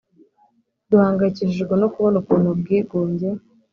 Duhangayikishijwe no kubona ukuntu ubwigunge